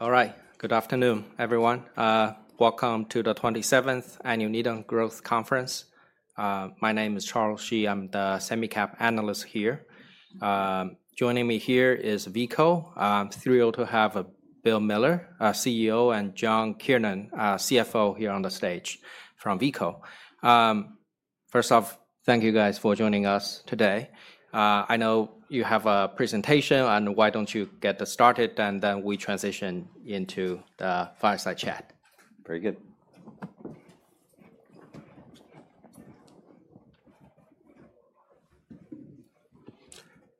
All right. Good afternoon, everyone. Welcome to the 27th annual Needham growth conference. My name is Charles Shi. I'm the Semi-Cap Analyst here. Joining me here is Veeco. I'm thrilled to have Bill Miller, CEO, and John Kiernan, CFO, here on the stage from Veeco. First off, thank you guys for joining us today. I know you have a presentation, and why don't you get started, and then we transition into the fireside chat. Very good.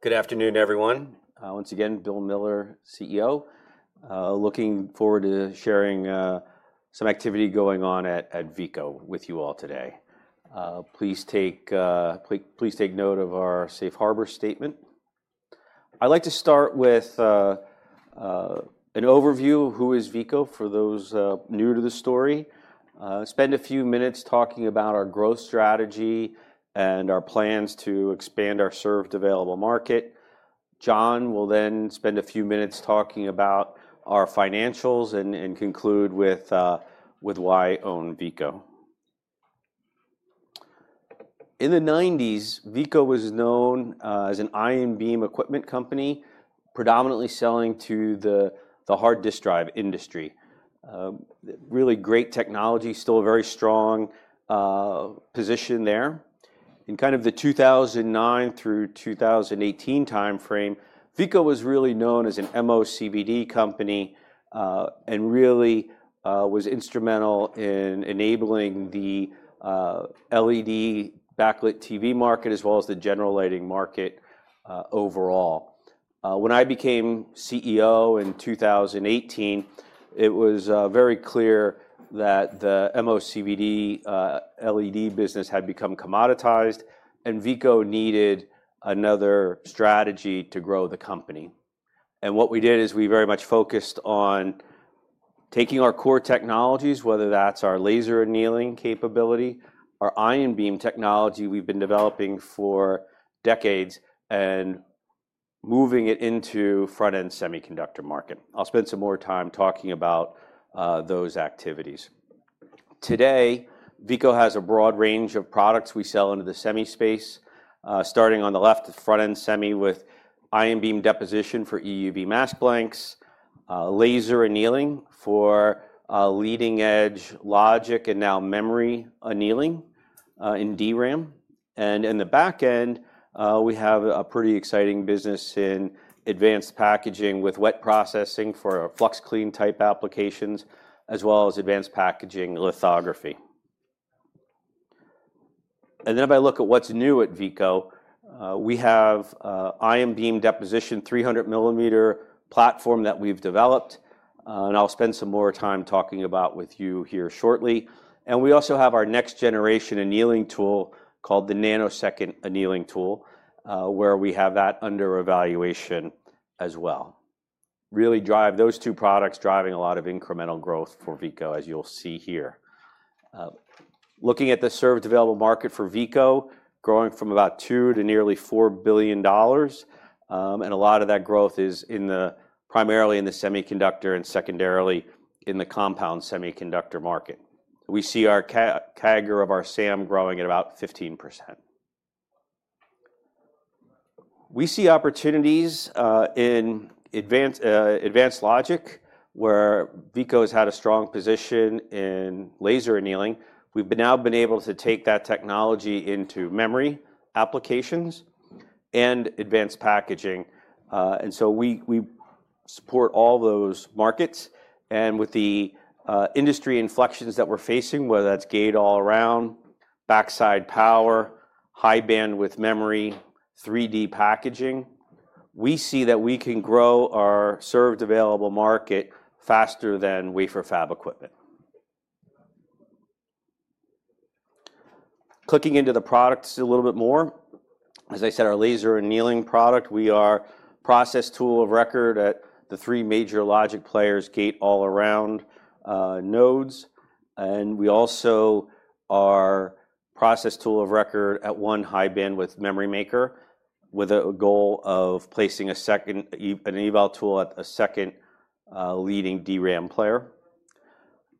Good afternoon, everyone. Once again, Bill Miller, CEO. Looking forward to sharing some activity going on at Veeco with you all today. Please take note of our safe harbor statement. I'd like to start with an overview: who is Veeco for those new to the story? Spend a few minutes talking about our growth strategy and our plans to expand our served available market. John will then spend a few minutes talking about our financials and conclude with why own Veeco. In the '90s, Veeco was known as an ion beam equipment company, predominantly selling to the hard disk drive industry. Really great technology, still a very strong position there. In kind of the 2009 through 2018 timeframe, Veeco was really known as an MOCVD company, and really, was instrumental in enabling the, LED backlit TV market as well as the general lighting market, overall. When I became CEO in 2018, it was, very clear that the MOCVD, LED business had become commoditized, and Veeco needed another strategy to grow the company. And what we did is we very much focused on taking our core technologies, whether that's our laser annealing capability, our ion beam technology we've been developing for decades, and moving it into the front-end semiconductor market. I'll spend some more time talking about, those activities. Today, Veeco has a broad range of products we sell into the semi space, starting on the left at front-end semi with ion beam deposition for EUV mask blanks, laser annealing for, leading-edge logic and now memory annealing, in DRAM. In the back end, we have a pretty exciting business in advanced packaging with wet processing for flux clean type applications, as well as advanced packaging lithography. If I look at what's new at Veeco, we have ion beam deposition 300 millimeter platform that we've developed, and I'll spend some more time talking about with you here shortly. We also have our next-generation annealing tool called the Nanosecond Annealing tool, where we have that under evaluation as well. Really, those two products driving a lot of incremental growth for Veeco, as you'll see here. Looking at the served available market for Veeco, growing from about $2 billion to nearly $4 billion, and a lot of that growth is primarily in the semiconductor and secondarily in the compound semiconductor market. We see our CAGR of our SAM growing at about 15%. We see opportunities in advanced, advanced logic, where Veeco has had a strong position in laser annealing. We've now been able to take that technology into memory applications and advanced packaging, and so we support all those markets, and with the industry inflections that we're facing, whether that's gate-all-around, backside power, high bandwidth memory, 3D packaging, we see that we can grow our served available market faster than wafer fab equipment. Clicking into the products a little bit more. As I said, our laser annealing product, we are process tool of record at the three major logic players gate-all-around nodes. And we also are process tool of record at one high bandwidth memory maker, with a goal of placing a second eval tool at a second, leading DRAM player.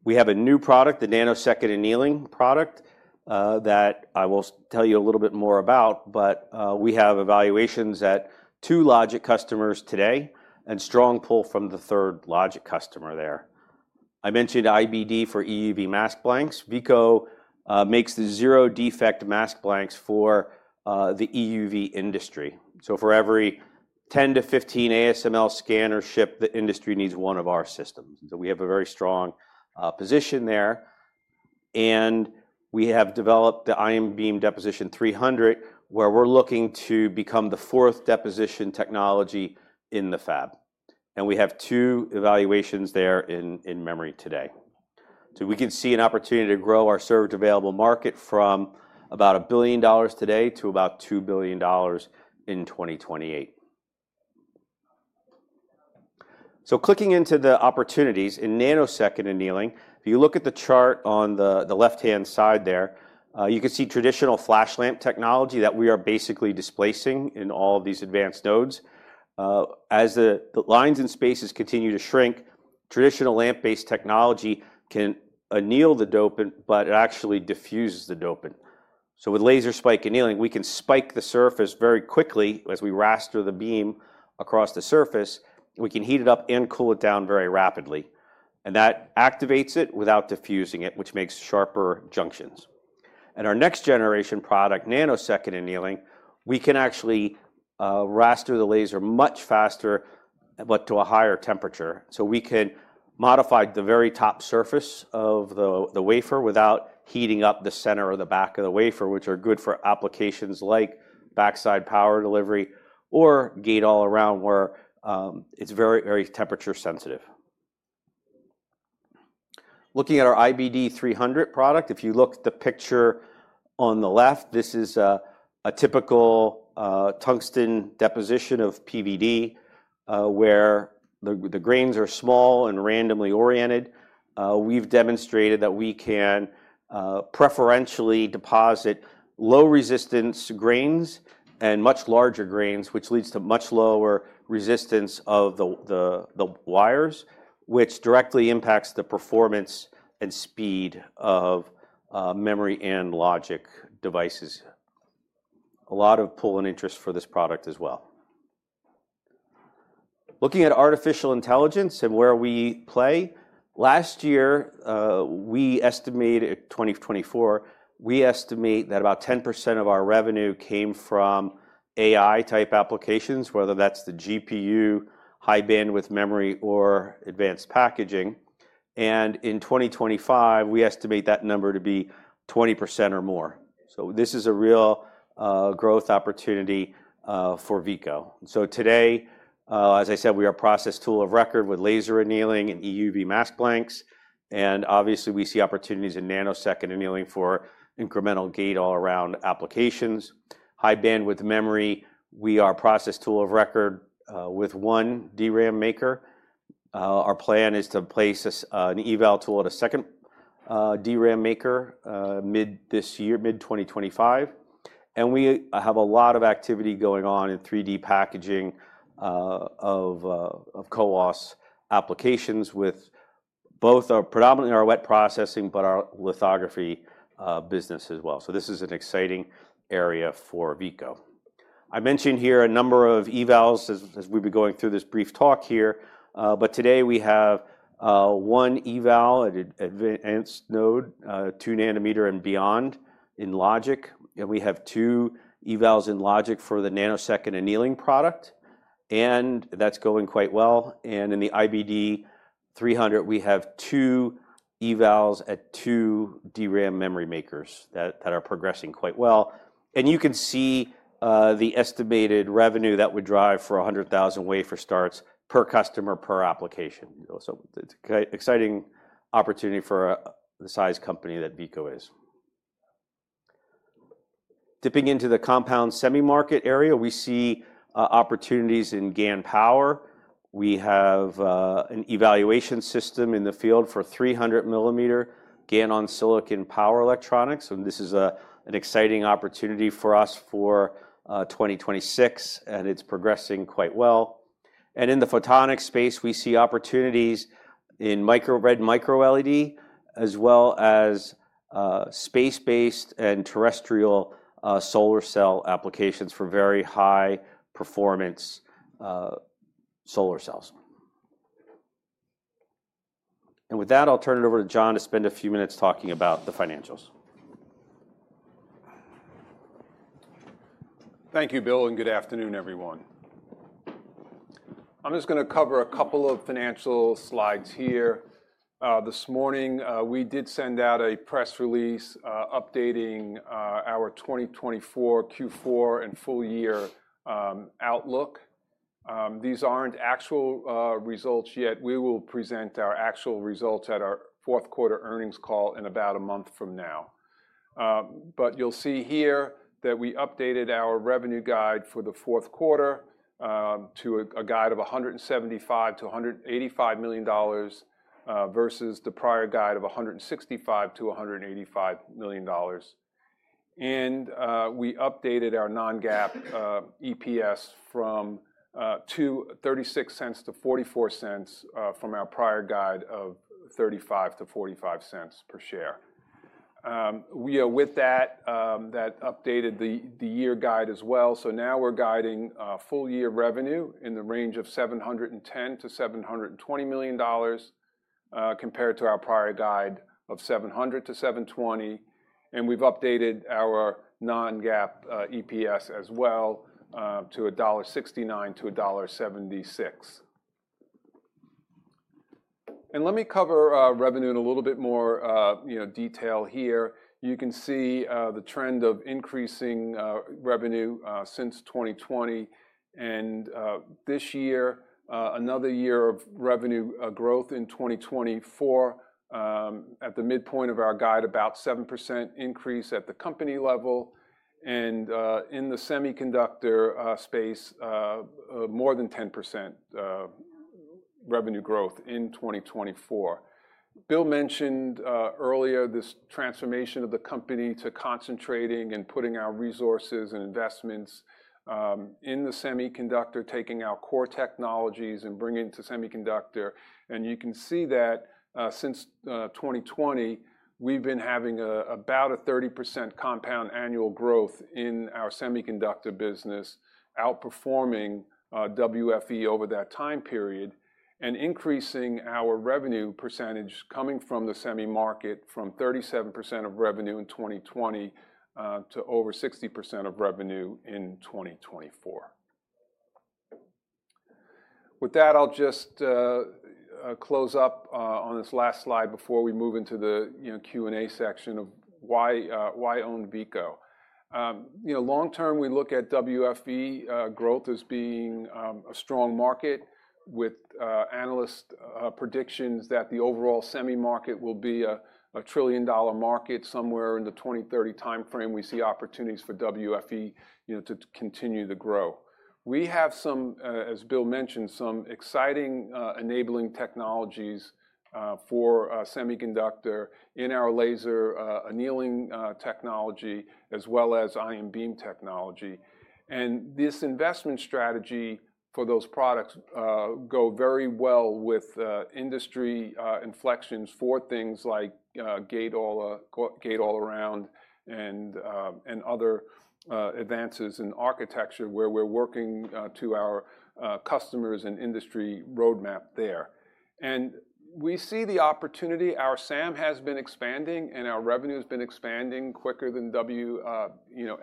We have a new product, the Nanosecond Annealing product, that I will tell you a little bit more about, but we have evaluations at two logic customers today and strong pull from the third logic customer there. I mentioned IBD for EUV mask blanks. Veeco makes the zero defect mask blanks for the EUV industry. So for every 10-15 ASML scanner ships, the industry needs one of our systems. And so we have a very strong position there. And we have developed the ion beam deposition 300, where we're looking to become the fourth deposition technology in the fab. And we have two evaluations there in memory today. So we can see an opportunity to grow our served available market from about $1 billion today to about $2 billion in 2028. So clicking into the opportunities in Nanosecond Annealing, if you look at the chart on the left-hand side there, you can see traditional flash lamp technology that we are basically displacing in all of these advanced nodes. As the lines and spaces continue to shrink, traditional lamp-based technology can anneal the dopant, but it actually diffuses the dopant. So with Laser Spike Annealing, we can spike the surface very quickly as we raster the beam across the surface. We can heat it up and cool it down very rapidly. And that activates it without diffusing it, which makes sharper junctions. And our next-generation product, Nanosecond Annealing, we can actually raster the laser much faster, but to a higher temperature. So we can modify the very top surface of the wafer without heating up the center or the back of the wafer, which are good for applications like backside power delivery or gate-all-around where it's very, very temperature sensitive. Looking at our IBD 300 product, if you look at the picture on the left, this is a typical tungsten deposition of PVD, where the grains are small and randomly oriented. We've demonstrated that we can preferentially deposit low resistance grains and much larger grains, which leads to much lower resistance of the wires, which directly impacts the performance and speed of memory and logic devices. A lot of pull and interest for this product as well. Looking at artificial intelligence and where we play, last year, we estimate in 2024, we estimate that about 10% of our revenue came from AI type applications, whether that's the GPU, high bandwidth memory, or advanced packaging. And in 2025, we estimate that number to be 20% or more. So this is a real growth opportunity for Veeco. So today, as I said, we are process tool of record with laser annealing and EUV mask blanks. And obviously, we see opportunities in Nanosecond Annealing for incremental gate-all-around applications. High bandwidth memory, we are process tool of record with one DRAM maker. Our plan is to place an eval tool at a second DRAM maker, mid this year, mid 2025. And we have a lot of activity going on in 3D packaging of CoWoS applications with both our predominantly our wet processing, but our lithography business as well. So this is an exciting area for Veeco. I mentioned here a number of evals as we've been going through this brief talk here. But today we have one eval at advanced node, two nanometer and beyond in logic. And we have two evals in logic for the Nanosecond Annealing product. And that's going quite well. And in the IBD 300, we have two evals at two DRAM memory makers that are progressing quite well. And you can see the estimated revenue that would drive for 100,000 wafer starts per customer per application. So it's an exciting opportunity for the size company that Veeco is. Dipping into the compound semi market area, we see opportunities in GaN power. We have an evaluation system in the field for 300 millimeter GaN on silicon power electronics. This is an exciting opportunity for us for 2026, and it's progressing quite well. In the photonics space, we see opportunities in micro-LED, as well as space-based and terrestrial solar cell applications for very high performance solar cells. With that, I'll turn it over to John to spend a few minutes talking about the financials. Thank you, Bill, and good afternoon, everyone. I'm just gonna cover a couple of financial slides here. This morning, we did send out a press release, updating our 2024 Q4 and full year outlook. These aren't actual results yet. We will present our actual results at our fourth quarter earnings call in about a month from now, but you'll see here that we updated our revenue guide for the fourth quarter to a guide of $175 million-$185 million, versus the prior guide of $165 million-$185 million, and we updated our non-GAAP EPS from $0.36 to $0.44 from our prior guide of $0.35-$0.45 per share. With that, we updated the year guide as well, so now we're guiding full year revenue in the range of $710 million-$720 million, compared to our prior guide of $700 million-$720 million. We've updated our non-GAAP EPS as well, to $1.69-$1.76. Let me cover revenue in a little bit more, you know, detail here. You can see the trend of increasing revenue since 2020. This year, another year of revenue growth in 2024, at the midpoint of our guide, about 7% increase at the company level. In the semiconductor space, more than 10% revenue growth in 2024. Bill mentioned earlier this transformation of the company to concentrating and putting our resources and investments in the semiconductor, taking our core technologies and bringing it to semiconductor. You can see that, since 2020, we've been having about a 30% compound annual growth in our semiconductor business, outperforming WFE over that time period and increasing our revenue percentage coming from the semi market from 37% of revenue in 2020 to over 60% of revenue in 2024. With that, I'll just close up on this last slide before we move into the, you know, Q&A section of why own Veeco. You know, long term, we look at WFE growth as being a strong market with analyst predictions that the overall semi market will be a $1 trillion market somewhere in the 2030 timeframe. We see opportunities for WFE, you know, to continue to grow. We have some, as Bill mentioned, exciting enabling technologies for semiconductor in our laser annealing technology, as well as ion beam technology. This investment strategy for those products go very well with industry inflections for things like gate-all-around and other advances in architecture where we're working to our customers and industry roadmap there. And we see the opportunity. Our SAM has been expanding and our revenue has been expanding quicker than WFE, you know.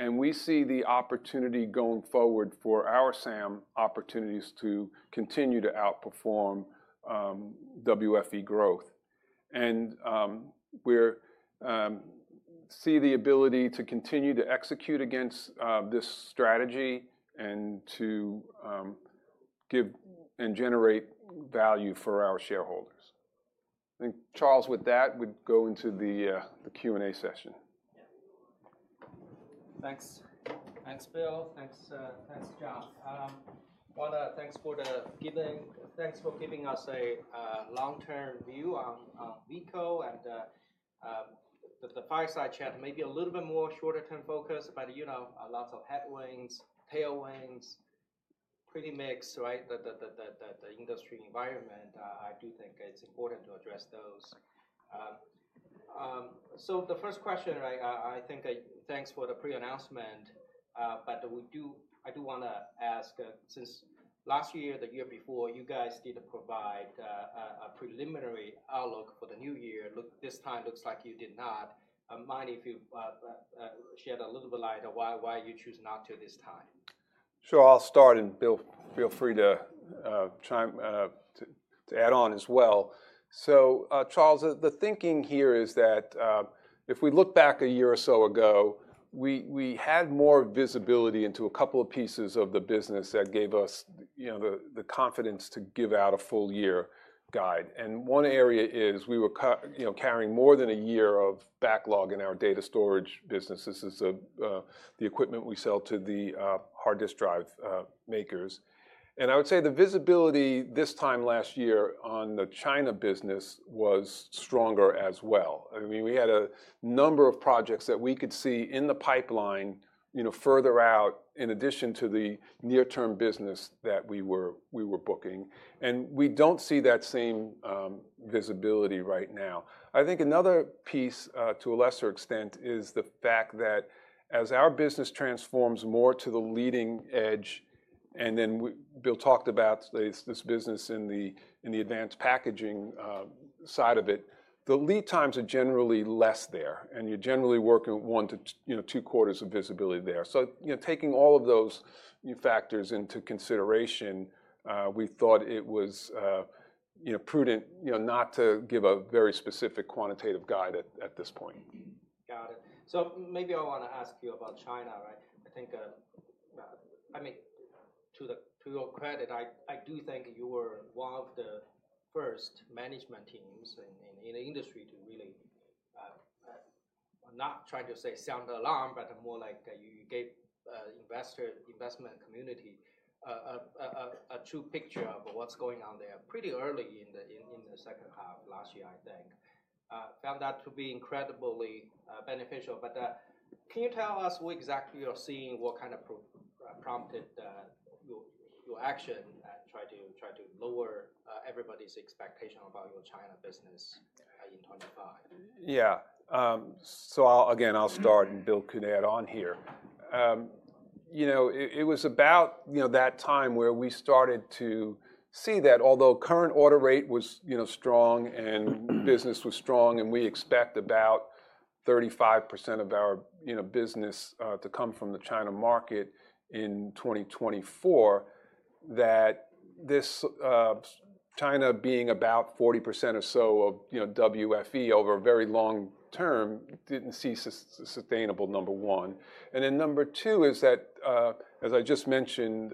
And we see the opportunity going forward for our SAM opportunities to continue to outperform WFE growth. And we see the ability to continue to execute against this strategy and to give and generate value for our shareholders. I think Charles, with that, we'd go into the Q&A session. Thanks. Thanks, Bill. Thanks, John. Thanks for giving us a long-term view on Veeco and the fireside chat, maybe a little more shorter term focus but you know a lot at headwinds, tailwinds, pretty mix, and the industry environment. I do think it's important to address those. So the first question, right? I think, thanks for the pre-announcement, but I do wanna ask, since last year, the year before, you guys did provide a preliminary outlook for the new year. Look, this time looks like you did not. Mind if you shed a little bit light on why you choose not to this time? Sure. I'll start and Bill, feel free to chime in to add on as well. So, Charles, the thinking here is that, if we look back a year or so ago, we had more visibility into a couple of pieces of the business that gave us, you know, the confidence to give out a full year guide. And one area is we were, you know, carrying more than a year of backlog in our data storage business. This is the equipment we sell to the hard disk drive makers. And I would say the visibility this time last year on the China business was stronger as well. I mean, we had a number of projects that we could see in the pipeline, you know, further out in addition to the near-term business that we were booking. And we don't see that same visibility right now. I think another piece, to a lesser extent, is the fact that as our business transforms more to the leading edge, and then we, Bill talked about this business in the advanced packaging side of it, the lead times are generally less there and you're generally working one to, you know, two quarters of visibility there. So, you know, taking all of those, you know, factors into consideration, we thought it was, you know, prudent, you know, not to give a very specific quantitative guide at this point. Got it. Maybe I want to ask you about China, right? I think, I mean, to your credit, I do think you were one of the first management teams in the industry to really not try to sound the alarm, but more like you gave the investment community a true picture of what's going on there pretty early in the second half last year, I think. I found that to be incredibly beneficial. Can you tell us what exactly you're seeing, what prompted your action and try to lower everybody's expectation about your China business in 2025? Yeah. So I'll again, I'll start and Bill can add on here. You know, it was about, you know, that time where we started to see that although current order rate was, you know, strong and business was strong and we expect about 35% of our, you know, business, to come from the China market in 2024, that this, China being about 40% or so of, you know, WFE over a very long term didn't seem sustainable. Number one. And then number two is that, as I just mentioned,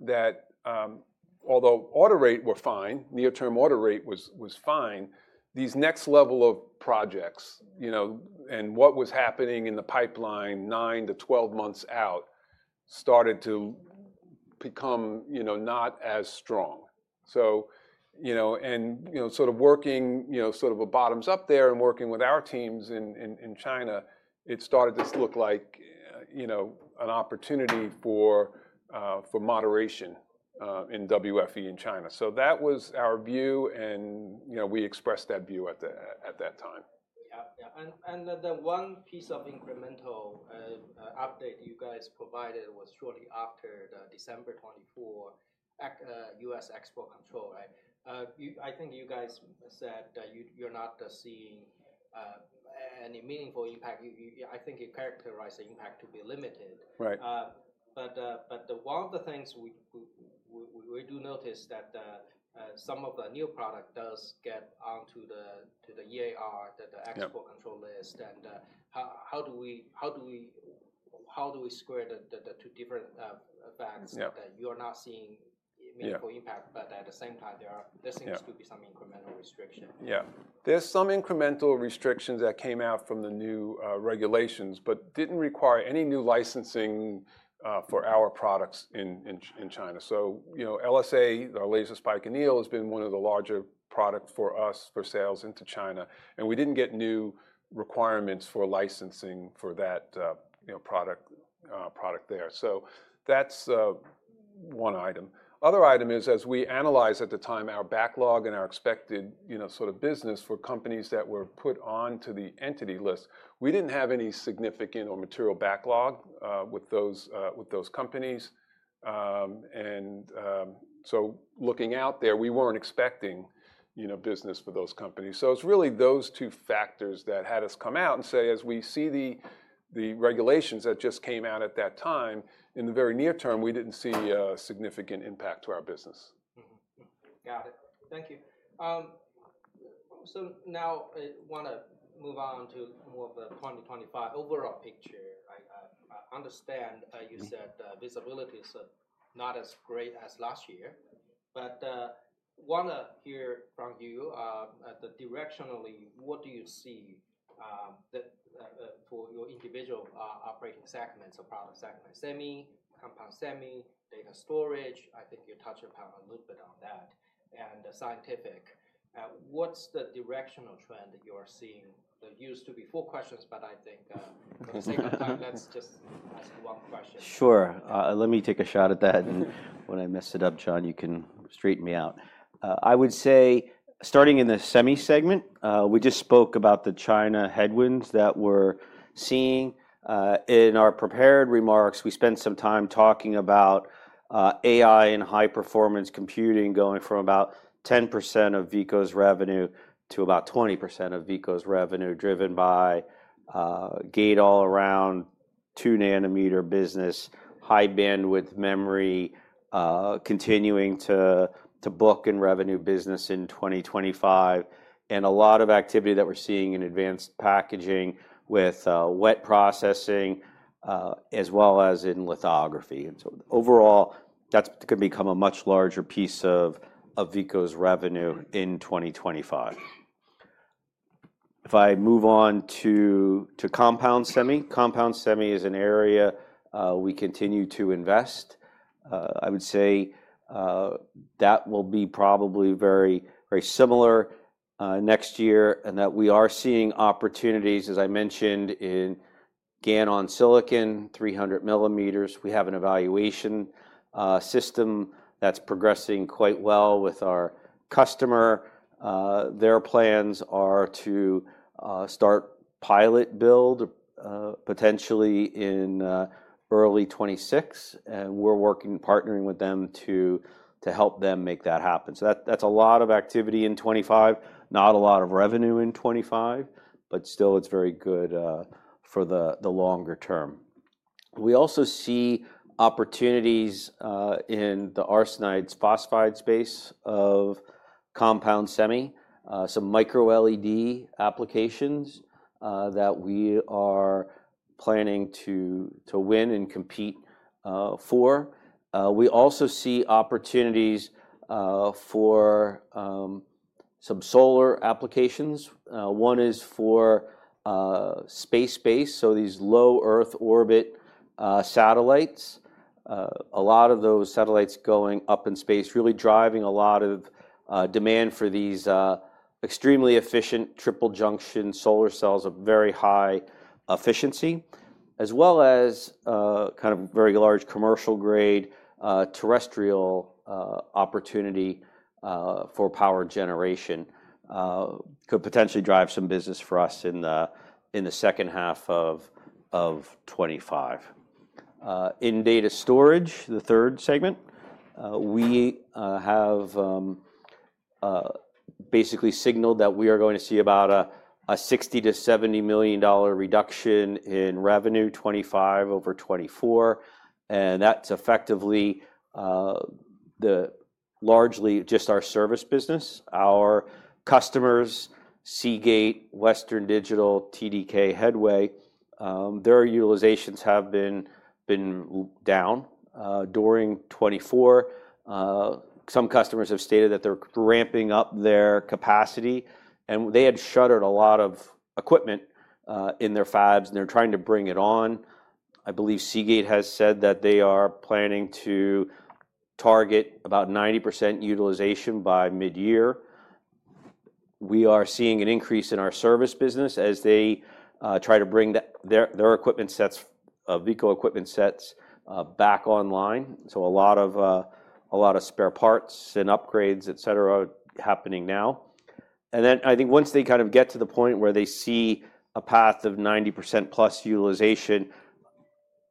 that, although order rate were fine, near-term order rate was fine, these next level of projects, you know, and what was happening in the pipeline 9-12 months out started to become, you know, not as strong. You know, and you know, sort of working, you know, sort of a bottoms up there and working with our teams in China, it started to look like, you know, an opportunity for moderation in WFE in China. That was our view and, you know, we expressed that view at that time. Yeah. And the one piece of incremental update you guys provided was shortly after the December 2024 U.S. export control, right? I think you guys said that you're not seeing any meaningful impact. I think you characterize the impact to be limited. Right. One of the things we do notice that some of the new product does get onto the EAR, the export control list. How do we square the two different facts that you are not seeing meaningful impact, but at the same time there seems to be some incremental restriction. Yeah. There's some incremental restrictions that came out from the new regulations, but didn't require any new licensing for our products in China. So, you know, LSA, our laser spike annealing has been one of the larger products for us for sales into China. And we didn't get new requirements for licensing for that, you know, product there. So that's one item. Other item is, as we analyzed at the time, our backlog and our expected, you know, sort of business for companies that were put onto the Entity List, we didn't have any significant or material backlog with those companies. And so looking out there, we weren't expecting, you know, business for those companies. It's really those two factors that had us come out and say, as we see the regulations that just came out at that time, in the very near term, we didn't see a significant impact to our business. Got it. Thank you. So now I wanna move on to more of the 2025 overall picture. I understand you said visibility is not as great as last year, but wanna hear from you directionally what do you see for your individual operating segments or product segments, semi compound, semi data storage. I think you touched upon a little bit on that and the scientific. What's the directional trend that you are seeing? There used to be four questions, but I think the second time, let's just ask one question. Sure. Let me take a shot at that. And when I mess it up, John, you can straighten me out. I would say starting in the semi segment, we just spoke about the China headwinds that we're seeing. In our prepared remarks, we spent some time talking about AI and high performance computing going from about 10% of Veeco's revenue to about 20% of Veeco's revenue driven by gate-all-around two nanometer business, high bandwidth memory continuing to book revenue business in 2025. And a lot of activity that we're seeing in advanced packaging with wet processing, as well as in lithography. And so overall, that's gonna become a much larger piece of Veeco's revenue in 2025. If I move on to compound semi, compound semi is an area we continue to invest. I would say that will be probably very, very similar next year and that we are seeing opportunities, as I mentioned, in GaN on silicon, 300 millimeter. We have an evaluation system that's progressing quite well with our customer. Their plans are to start pilot build potentially in early 2026. We're working partnering with them to help them make that happen. So that's a lot of activity in 2025, not a lot of revenue in 2025, but still it's very good for the longer term. We also see opportunities in the arsenide/phosphide space of compound semi, some micro-LED applications, that we are planning to win and compete for. We also see opportunities for some solar applications. One is for space-based. These Low Earth Orbit satellites, a lot of those satellites going up in space, really driving a lot of demand for these extremely efficient triple junction solar cells of very high efficiency, as well as kind of very large commercial grade terrestrial opportunity for power generation, could potentially drive some business for us in the second half of 2025. In data storage, the third segment, we have basically signaled that we are going to see about a $60 million-$70 million reduction in revenue 2025 over 2024. And that's effectively largely just our service business. Our customers, Seagate, Western Digital, TDK Headway, their utilizations have been down during 2024. Some customers have stated that they're ramping up their capacity and they had shuttered a lot of equipment in their fabs and they're trying to bring it on. I believe Seagate has said that they are planning to target about 90% utilization by mid-year. We are seeing an increase in our service business as they try to bring their Veeco equipment sets back online, so a lot of spare parts and upgrades, et cetera, happening now, and then I think once they kind of get to the point where they see a path of 90%+ utilization,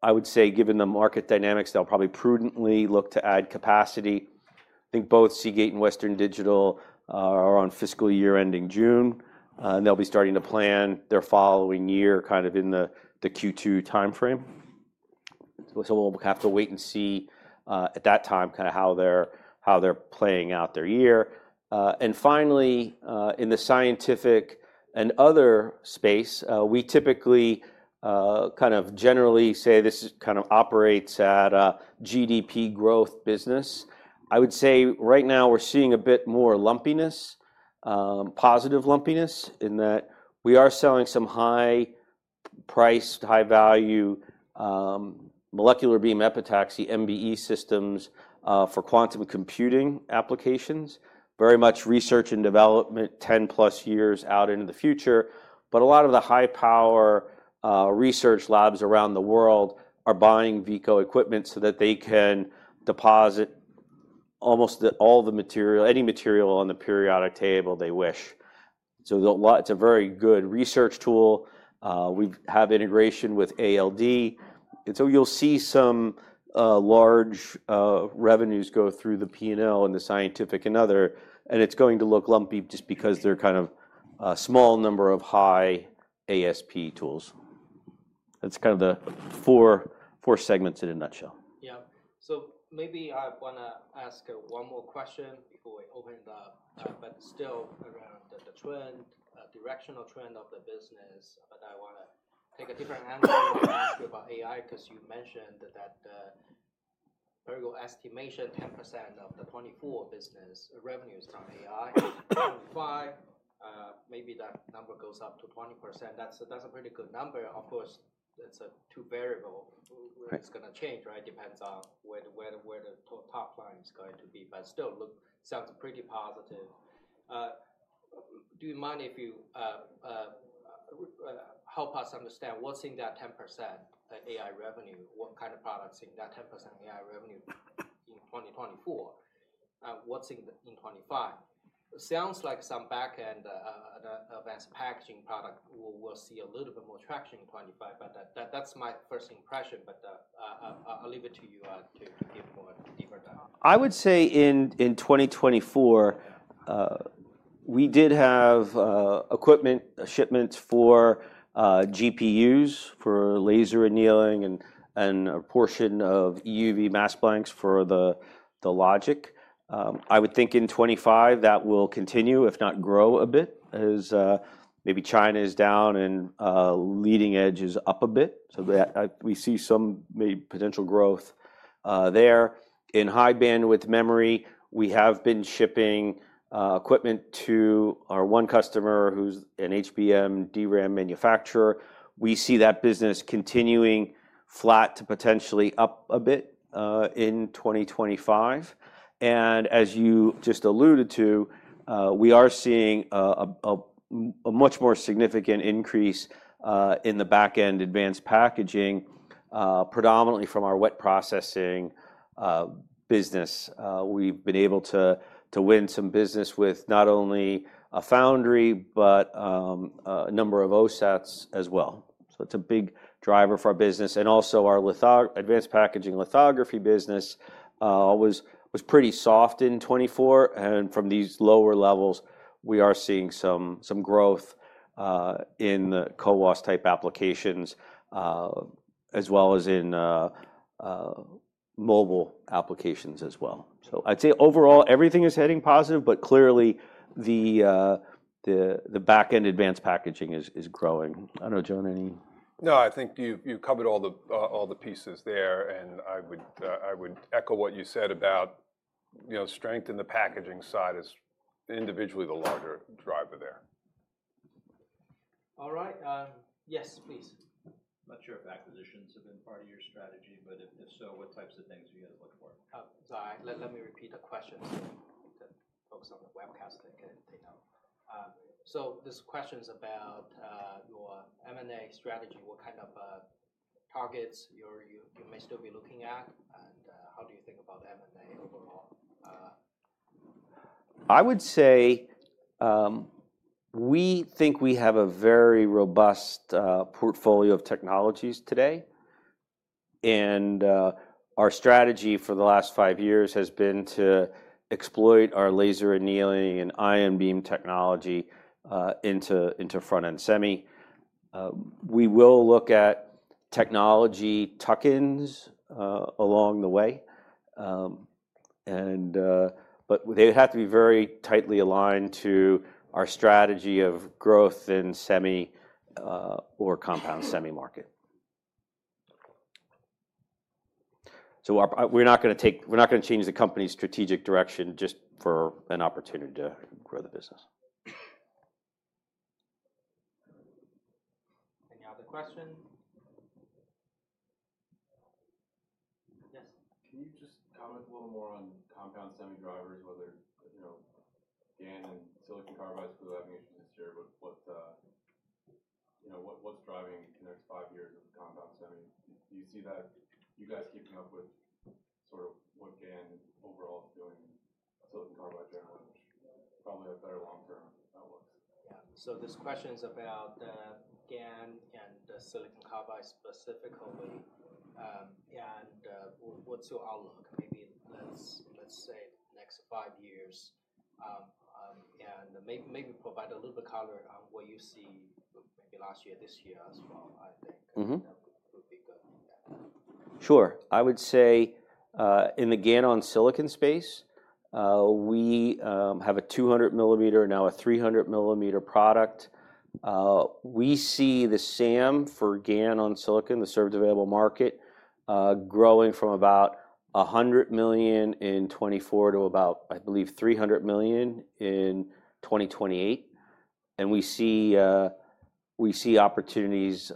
I would say given the market dynamics, they'll probably prudently look to add capacity. I think both Seagate and Western Digital are on fiscal year ending June, and they'll be starting to plan their following year kind of in the Q2 timeframe. So we'll have to wait and see at that time kind of how they're playing out their year and finally, in the scientific and other space, we typically, kind of generally say this kind of operates at a GDP growth business. I would say right now we're seeing a bit more lumpiness, positive lumpiness in that we are selling some high priced, high value, molecular beam epitaxy MBE systems, for quantum computing applications, very much research and development 10+ years out into the future. But a lot of the high power, research labs around the world are buying Veeco equipment so that they can deposit almost all the material, any material on the periodic table they wish. So a lot, it's a very good research tool. We have integration with ALD. And so you'll see some, large, revenues go through the P&L and the scientific and other, and it's going to look lumpy just because they're kind of a small number of high ASP tools. That's kind of the four segments in a nutshell. Yeah. So maybe I wanna ask one more question before we open the, but still around the trend, directional trend of the business. But I wanna take a different answer about AI, 'cause you mentioned that the variable estimation 10% of the 2024 business revenues on AI, 2025, maybe that number goes up to 20%. That's a pretty good number. Of course, it's a two variable. It's gonna change, right? Depends on where the top line is going to be. But still look, sounds pretty positive. Do you mind if you help us understand what's in that 10% AI revenue? What kind of products in that 10% AI revenue in 2024? What's in 2025? Sounds like some backend, advanced packaging product will see a little bit more traction in 2025, but that's my first impression. I'll leave it to you to give more deeper down. I would say in 2024, we did have equipment shipments for GPUs for laser annealing and a portion of EUV mask blanks for the logic. I would think in 2025 that will continue, if not grow a bit as maybe China is down and leading edge is up a bit. So we see some maybe potential growth there. In high bandwidth memory, we have been shipping equipment to our one customer who's an HBM DRAM manufacturer. We see that business continuing flat to potentially up a bit in 2025. And as you just alluded to, we are seeing a much more significant increase in the backend advanced packaging, predominantly from our wet processing business. We've been able to win some business with not only a foundry, but a number of OSATs as well. So it's a big driver for our business. And also our lithography, advanced packaging lithography business, was pretty soft in 2024. And from these lower levels, we are seeing some growth in the CoWoS-type applications, as well as in mobile applications as well. So I'd say overall everything is heading positive, but clearly the backend advanced packaging is growing. I don't know, John, any. No, I think you've covered all the pieces there. And I would echo what you said about, you know, strength in the packaging side is individually the larger driver there. All right. Yes, please. I'm not sure if acquisitions have been part of your strategy, but if so, what types of things are you guys looking for? Sorry, let me repeat the question so that folks on the webcast can take note, so this question's about your M&A strategy. What kind of targets you may still be looking at and how do you think about M&A overall? I would say we think we have a very robust portfolio of technologies today. And, our strategy for the last five years has been to exploit our laser annealing and ion beam technology into front end semi. We will look at technology tuck-ins along the way. But they have to be very tightly aligned to our strategy of growth in semi or compound semi market. So, we're not gonna change the company's strategic direction just for an opportunity to grow the business. Any other questions? Yes. Can you just comment a little more on compound semi drivers, whether, you know, GaN and silicon carbide could be having issues this year? But what, you know, what's driving in the next five years of compound semi? Do you see that you guys keeping up with sort of what GaN overall is doing? Silicon carbide generally is probably a better long-term outlook. Yeah, so this question's about GaN and silicon carbide specifically, and what's your outlook? Maybe let's, let's say next five years, and maybe, maybe provide a little bit of color on what you see maybe last year, this year as well, I think. Sure. I would say, in the GaN on silicon space, we have a 200 millimeter, now a 300 millimeter product. We see the SAM for GaN on silicon, the served available market, growing from about $100 million in 2024 to about, I believe, $300 million in 2028. And we see, we see opportunities.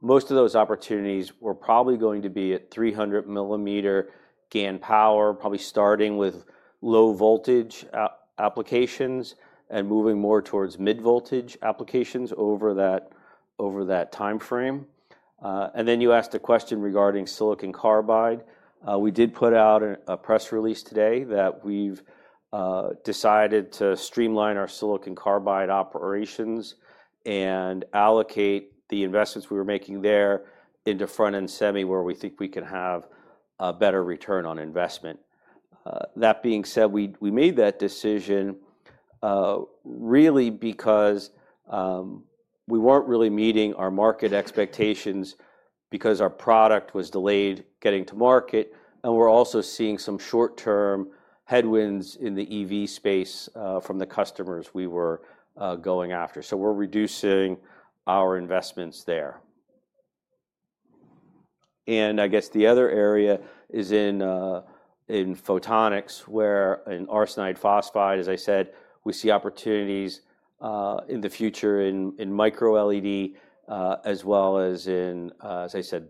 Most of those opportunities were probably going to be at 300 millimeter GaN power, probably starting with low voltage applications and moving more towards mid voltage applications over that, over that timeframe. Then you asked a question regarding silicon carbide. We did put out a press release today that we've decided to streamline our silicon carbide operations and allocate the investments we were making there into front-end semi where we think we can have a better return on investment. That being said, we made that decision really because we weren't really meeting our market expectations because our product was delayed getting to market. And we're also seeing some short-term headwinds in the EV space from the customers we were going after. So we're reducing our investments there. And I guess the other area is in photonics where in arsenide phosphide, as I said, we see opportunities in the future in micro-LED, as well as in, as I said,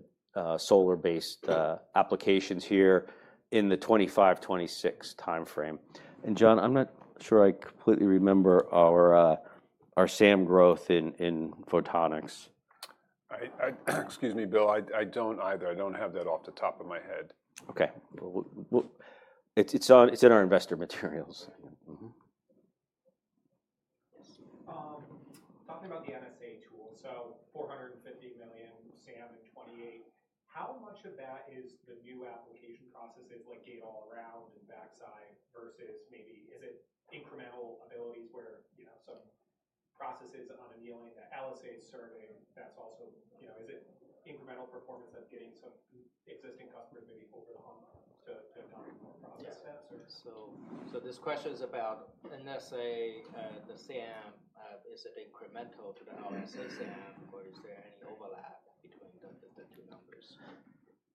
solar-based applications here in the 2025, 2026 timeframe. And John, I'm not sure I completely remember our SAM growth in photonics. Excuse me, Bill, I don't either. I don't have that off the top of my head. Okay. Well, it's on, it's in our investor materials. Yes. Talking about the NSA tool, so $450 million SAM in 2028, how much of that is the new application processes like Gate-All-Around and backside versus maybe is it incremental abilities where, you know, some processes on annealing that LSA is serving? That's also, you know, is it incremental performance of getting some existing customers maybe over the hump to not process that? Yes. So this question's about NSA, the SAM, is it incremental to the LSA SAM or is there any overlap between the two numbers?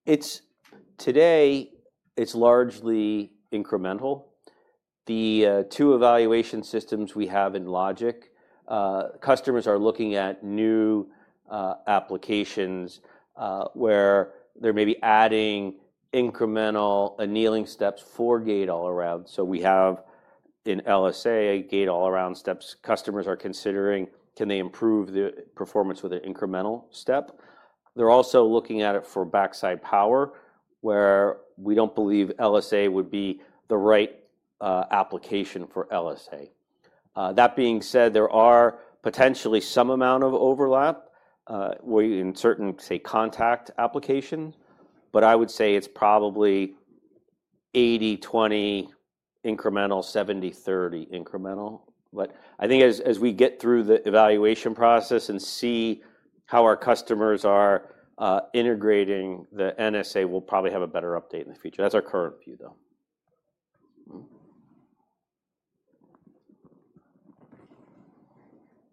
It's, today, it's largely incremental. The two evaluation systems we have in logic, customers are looking at new applications, where they're maybe adding incremental annealing steps for gate-all-around. So we have in LSA gate-all-around steps customers are considering, can they improve the performance with an incremental step? They're also looking at it for backside power where we don't believe LSA would be the right application for LSA. That being said, there are potentially some amount of overlap, where in certain, say, contact applications, but I would say it's probably 80-20 incremental, 70-30 incremental. But I think as we get through the evaluation process and see how our customers are integrating the NSA, we'll probably have a better update in the future. That's our current view though.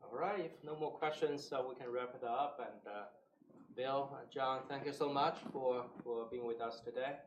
All right. No more questions. We can wrap it up. Bill, John, thank you so much for being with us today.